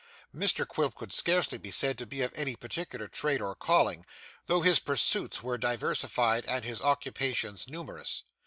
Mr Quilp could scarcely be said to be of any particular trade or calling, though his pursuits were diversified and his occupations numerous.